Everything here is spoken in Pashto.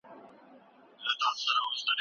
پوهه انسان له مادي او معنوي فقر څخه ژغوري.